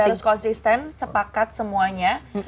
jadi harus konsisten sepakat semuanya